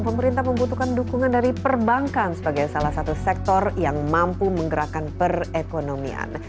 pemerintah membutuhkan dukungan dari perbankan sebagai salah satu sektor yang mampu menggerakkan perekonomian